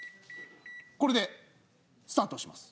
これでスタートを押します。